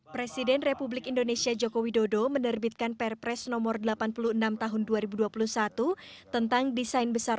presiden republik indonesia joko widodo menerbitkan perpres nomor delapan puluh enam tahun dua ribu dua puluh satu tentang desain besar